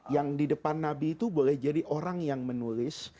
yang di depan nabi itu boleh jadi orang yang menulis